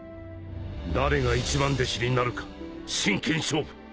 誰が一番弟子になるか真剣勝負